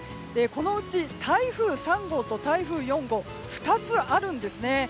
このうち、台風３号と台風４号２つあるんですね。